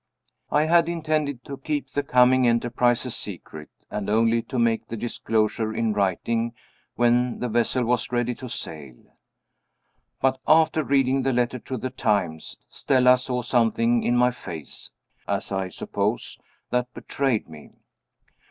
I had intended to keep the coming enterprise a secret, and only to make the disclosure in writing when the vessel was ready to sail. But, after reading the letter to the Times, Stella saw something in my face (as I suppose) that betrayed me.